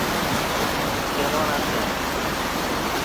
বর্তমানে তিনি একজন ধারাভাষ্যকার।